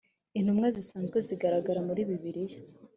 intumwa zisanzwe zigaragara muri bibliya.